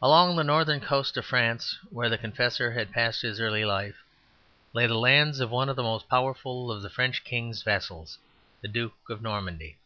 Along the northern coast of France, where the Confessor had passed his early life, lay the lands of one of the most powerful of the French king's vassals, the Duke of Normandy.